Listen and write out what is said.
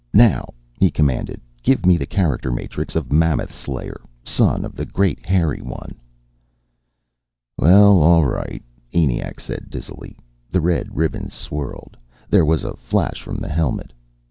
"Now," he commanded. "Give me the character matrix of Mammoth Slayer, son of the Great Hairy One." "Well all right," ENIAC said dizzily. The red ribbons swirled. There was a flash from the helmet.